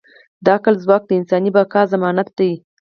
د عقل ځواک د انساني بقا ضمانت دی.